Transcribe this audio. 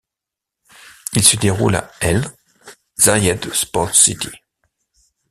Il se déroule à l', Zayed Sports City.